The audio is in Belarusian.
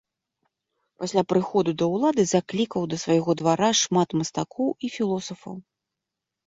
Пасля прыходу да ўлады заклікаў да свайго двара шмат мастакоў і філосафаў.